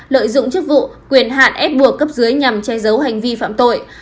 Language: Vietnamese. lợi dụng chức vụ quyền hạn ép buộc cấp dưới nhằm che giấu hành vi phạm tội